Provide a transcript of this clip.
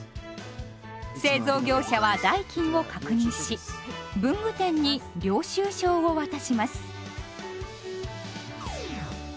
製造業者は代金を確認し文具店に「領収証」を渡します。